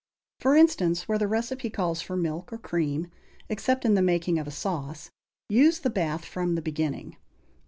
For instance, where the recipe calls for milk or cream, except in the making of a sauce, use the bath from the beginning.